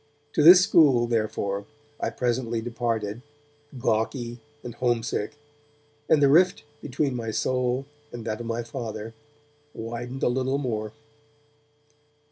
To this school, therefore, I presently departed, gawky and homesick, and the rift between my soul and that of my Father widened a little more.